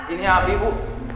ini abi bu